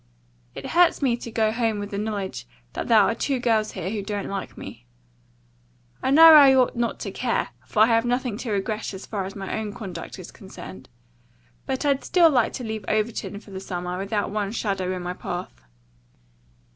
It hurts me to go home with the knowledge that there are two girls here who don't like me. I know I ought not to care, for I have nothing to regret as far as my own conduct is concerned, but still I'd like to leave Overton for the summer without one shadow in my path."